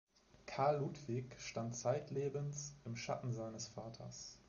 Karl Ludwig stand zeitlebens im Schatten seines Vaters.